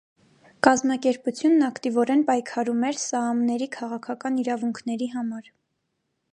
Կազմակերպությունն ակտիվորեն պայքարում էր սաամների քաղաքական իրավունքների համար։